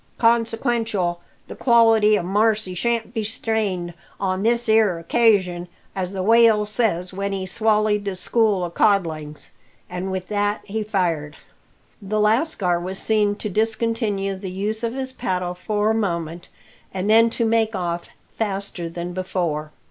Consequential, the quality o' marcy shan't be strained on this 'ere occasion, as the whale says when he swallied the school o' codlings." And with that he fired. The lascar was seen to discontinue the use of his paddle for a moment, and then to make off faster than before.